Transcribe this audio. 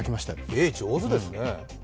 絵、上手ですね。